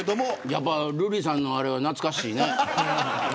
やっぱり瑠麗さんのあれは懐かしいね。